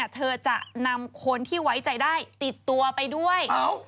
เธอจะนำคนที่ไว้ใจได้ติดตัวไปด้วย